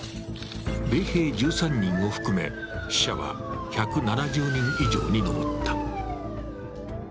米兵１３人を含め、死者は１７０人以上に上った。